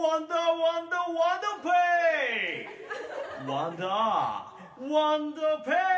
ワンダーワンダーペーイ！